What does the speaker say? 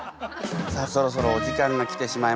さあそろそろお時間が来てしまいました。